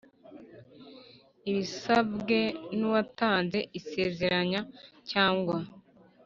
abisabwe n uwatanze isezeranya cyangwa